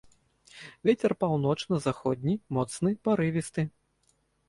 Вецер паўночна-заходні, моцны, парывісты.